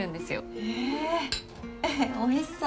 へぇおいしそう。